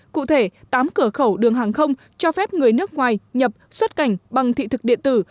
cụ thể tám cửa khẩu đường hàng không cho phép người nước ngoài nhập xuất cảnh bằng thị thực điện tử